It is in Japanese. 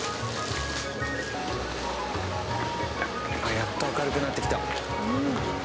やっと明るくなってきた。